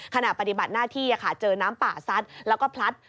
ขณะปฏิบัติหน้าที่เจอน้ำป่าซัดแล้วก็พลัด